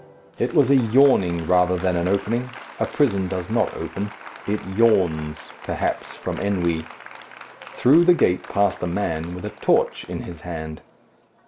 It was a yawning rather than an opening. A prison does not open; it yawns perhaps from ennui. Through the gate passed a man with a torch in his hand.